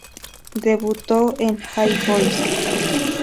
Debutó en All Boys.